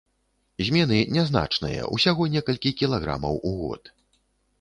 Змены нязначныя, усяго некалькі кілаграмаў у год.